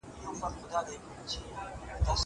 زه پرون کتابونه لوستل کوم.